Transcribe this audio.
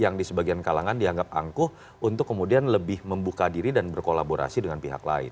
yang di sebagian kalangan dianggap angkuh untuk kemudian lebih membuka diri dan berkolaborasi dengan pihak lain